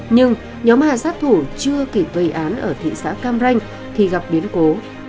nhưng nhóm hà sát thủ chưa kỉ tuệ án ở thị xã cam ranh thì gặp biến cố